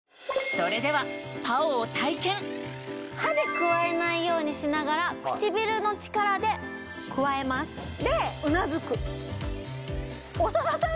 それではＰＡＯを体験歯でくわえないようにしながら唇の力でくわえますでうなずく長田さん